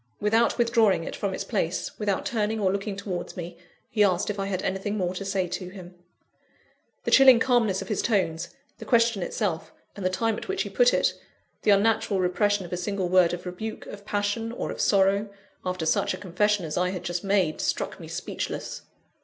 Without withdrawing it from its place, without turning or looking towards me, he asked if I had anything more to say to him. The chilling calmness of his tones, the question itself, and the time at which he put it, the unnatural repression of a single word of rebuke, of passion, or of sorrow, after such a confession as I had just made, struck me speechless.